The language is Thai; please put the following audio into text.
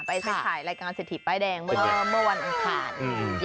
ไปถ่ายรายการเศรษฐีป้ายแดงเมื่อวันอังคาร